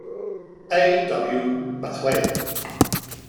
A. W. McLelan.